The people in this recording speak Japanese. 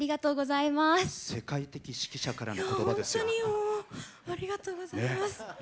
世界的指揮者からのことばですよ。